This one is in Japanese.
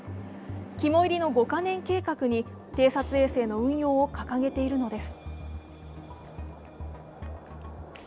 肝いりの５か年計画に偵察衛星の運用を掲げているのです。